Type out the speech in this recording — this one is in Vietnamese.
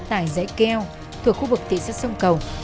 tại dãy keo thuộc khu vực tỉ sát sông cầu